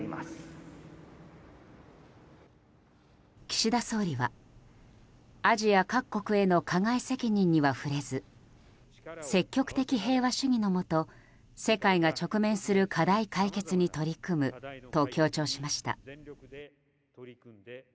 岸田総理はアジア各国への加害責任には触れず積極的平和主義のもと世界が直面する課題解決に取り組むと強調しました。